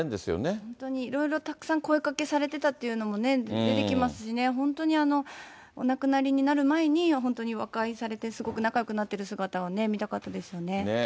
本当にいろいろたくさん、声かけされてたっていうのもね、出てきますしね、本当にお亡くなりになる前に、本当に和解されて、すごく仲よくなってる姿を見たかったですよね。